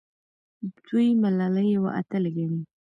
دوی ملالۍ یوه اتله ګڼي.